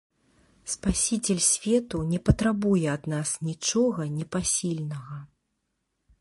Спасіцель свету не патрабуе ад нас нічога непасільнага.